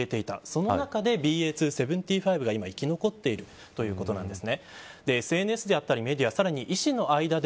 その中でＢＡ．２．７５が今生き残ってるということなんです。